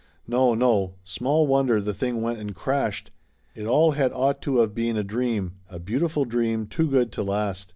No, no! Small wonder the thing went and crashed ! It all had ought to of been a dream, a beautiful dream too good to last.